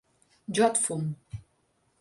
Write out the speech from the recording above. Jo et fum!